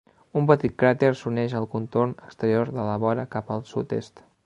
Un petit cràter s'uneix al contorn exterior de la vora cap al sud-est.